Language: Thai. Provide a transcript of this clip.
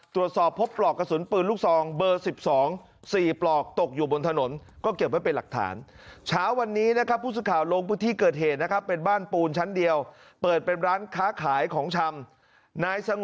ตรวจสอบพบปลอกกระสุนปืนลูกซองเบอร์๑๒๔ปลอกตกอยู่บนถนนก็เก็บไว้เป็นหลักฐาน